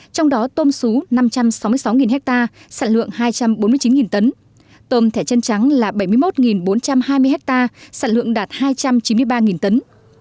trong đó tôm xú năm trăm sáu mươi sáu ha sản lượng hai trăm bốn mươi chín tấn tôm thẻ chân trắng là bảy mươi một bốn trăm hai mươi ha sản lượng đạt hai trăm chín mươi ba tấn